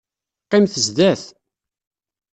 Qqimet zdat.